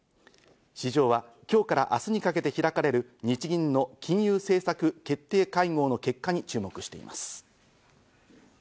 市場は今日から明日にかけて開かれる日銀の金融政策決定会合の結果に注目しています。